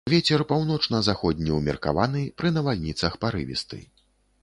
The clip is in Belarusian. Вецер паўночна-заходні ўмеркаваны, пры навальніцах парывісты.